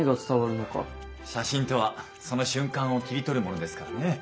写真とはその瞬間を切り取るものですからね。